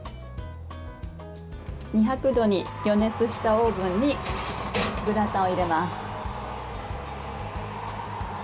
２００度に予熱したオーブンにグラタンを入れます。